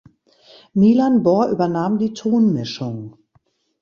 Milan Bor übernahm die Tonmischung.